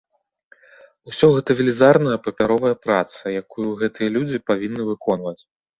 Усё гэта велізарная папяровая праца, якую гэтыя людзі павінны выконваць.